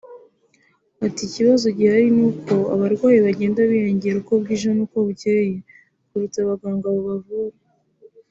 Ati “Ikibazo gihari ni uko abarwayi bagenda biyongera uko bwije n’uko bucyeye kuruta abaganga babavura